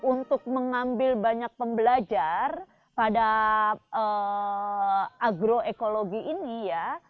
untuk mengambil banyak pembelajar pada agroekologi ini ya